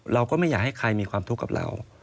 เราก็ไม่อยากให้ใครมีความทุกข์กับเรา